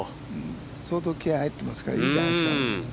相当気合い入ってますから、いいんじゃないですか。